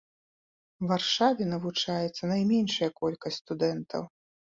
Варшаве навучаецца найменшая колькасць студэнтаў.